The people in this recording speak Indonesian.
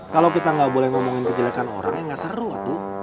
kalo kita gak boleh ngomongin kejelekan orang ya gak seru aduh